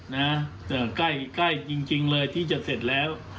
ใกล้ใกล้จริงเลยที่จะเสร็จแล้ว